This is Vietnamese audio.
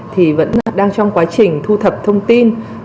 thì vẫn đang trong quá trình thu thập thông tin